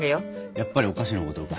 やっぱりお菓子のことか。